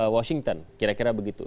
washington kira kira begitu